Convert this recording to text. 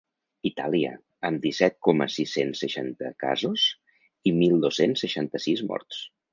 Itàlia, amb disset coma sis-cents seixanta casos i mil dos-cents seixanta-sis morts.